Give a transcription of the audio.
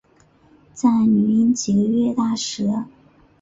在女婴几个月大时